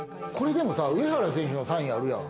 上原選手のサインあるやん。